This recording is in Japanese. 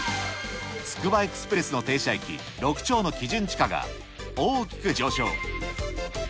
つくばエクスプレスの停車駅、六町の基準地価が大きく上昇。